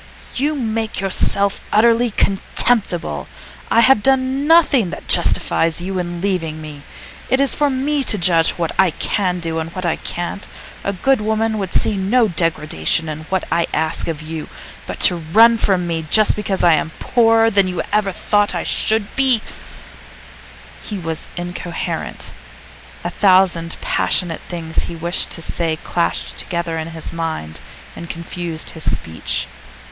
you make yourself unutterably contemptible. I have done nothing that justifies you in leaving me. It is for me to judge what I can do and what I can't. A good woman would see no degradation in what I ask of you. But to run away from me just because I am poorer than you ever thought I should be ' He was incoherent. A thousand passionate things that he wished to say clashed together in his mind and confused his speech.